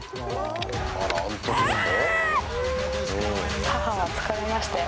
あら、あん時の子？